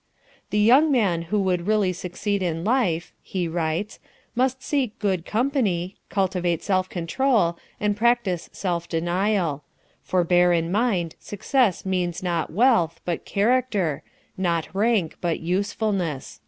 "The young man who would really succeed in life," he writes, "must seek good company, cultivate self control, and practise self denial; for bear in mind, success means not wealth, but character, not rank, but usefulness."